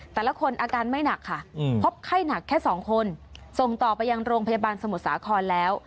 แต่ละคนอาการไม่หนักค่ะพบไข้หนักแค่สองคนส่งต่อไปยังโรงพยาบาลสมุทรสาครแล้ว